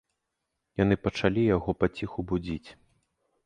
Яны пачалі яго паціху будзіць.